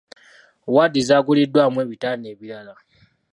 Waadi z'aguliddwamu ebitanda ebirala.